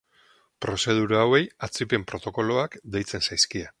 Prozedura hauei atzipen protokoloak deitzen zaizkie.